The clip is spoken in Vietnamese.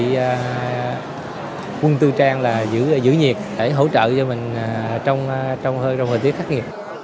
và quân tư trang là giữ nhiệt hỗ trợ cho mình trong thời tiết khắc nghiệt